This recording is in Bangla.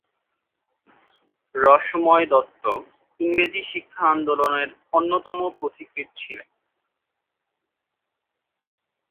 রসময় দত্ত ইংরেজি শিক্ষা আন্দোলনের অন্যতম পথিকৃৎ ছিলেন।